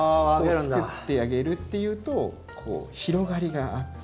つくってあげるっていうとこう広がりがあって。